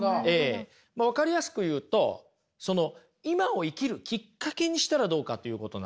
分かりやすく言うとその今を生きるきっかけにしたらどうかということなんですよ。